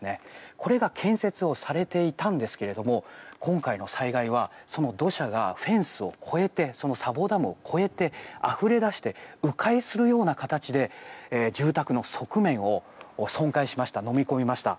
これが建設をされていたんですけども今回の災害はその土砂がフェンスを越えてその砂防ダムを越えてあふれ出して迂回するような形で住宅の側面をのみ込みました。